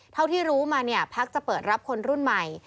เท่าที่รู้มาเนี่ยพักจะเปิดรับคนรุ่นใหม่